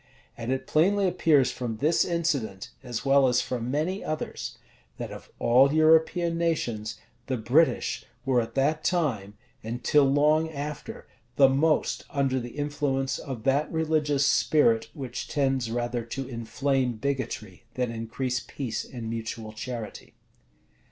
And it plainly appears from this incident, as well as from many others, that, of all European nations, the British were at that time, and till long after, the most under the influence of that religious spirit which tends rather to inflame bigotry than increase peace and mutual charity.